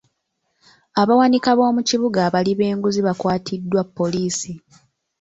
Abawanika b'omu kibuga abali b'enguzi bakwatiddwa poliisi.